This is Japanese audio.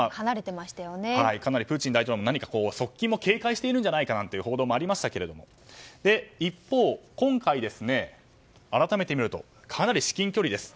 かなりプーチン大統領も何か側近も警戒しているんじゃないかという報道もありましたが一方、今回、改めて見るとかなり至近距離です。